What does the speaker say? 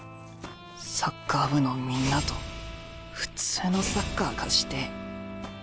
サッカー部のみんなと普通のサッカーがしてえ。